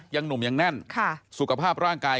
ยังหนุ่มยังแน่นสุขภาพร่างกาย